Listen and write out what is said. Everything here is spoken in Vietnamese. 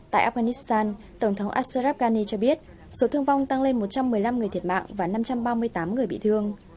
tại afghanistan tổng thống assarab ghani cho biết số thương vong tăng lên một trăm một mươi năm người thiệt mạng và năm trăm ba mươi tám người bị thương